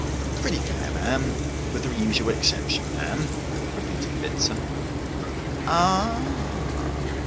'Pretty fair, ma'am. With the usual exception, ma'am,' repeated Bitzer. 'Ah—h!